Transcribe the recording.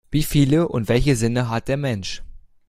Wie viele und welche Sinne hat der Mensch?